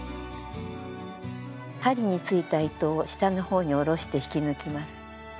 針についた糸を下の方に下ろして引き抜きます。